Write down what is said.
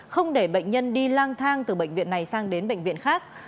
không để bệnh nhân đi lang thang từ bệnh viện này sang đến bệnh viện khác